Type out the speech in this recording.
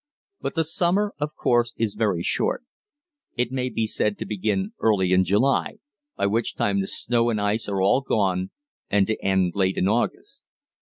But the summer, of course, is very short. It may be said to begin early in July, by which time the snow and ice are all gone, and to end late in August.